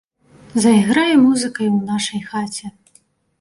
Зайграе музыка і ў нашай хаце.